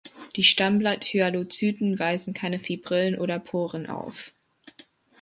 Die Stammblatt-Hyalocyten weisen keine Fibrillen oder Poren auf.